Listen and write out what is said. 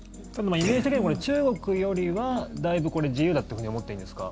イメージ的にはこれ、中国よりはだいぶ自由だっていうふうに思っていいんですか？